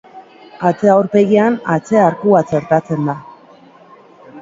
Atze aurpegian atze arkua txertatzen da.